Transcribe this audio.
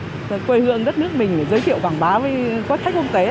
để đóng góp một phần cho quê hương đất nước mình giới thiệu quảng bá với khách công tế